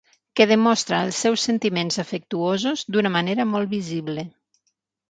Que demostra els seus sentiments afectuosos d'una manera molt visible.